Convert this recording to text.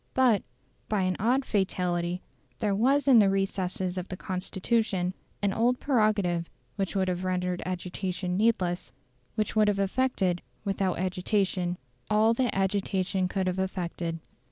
But, by an odd fatality, there was in the recesses of the Constitution an old prerogative which would have rendered agitation needless which would have effected, without agitation, all that agitation could have effected.